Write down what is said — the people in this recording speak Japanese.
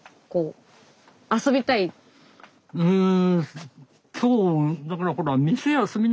うん。